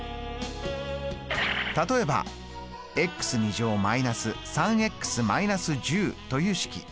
例えば−３−１０という式。